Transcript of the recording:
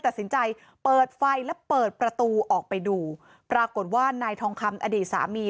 ตัดสินใจเปิดไฟและเปิดประตูออกไปดูปรากฏว่านายทองคำอดีตสามี